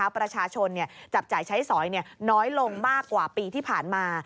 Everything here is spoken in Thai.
ประชาชนจับจ่ายใช้สอยน้อยลงมากกว่าปีที่ผ่านมา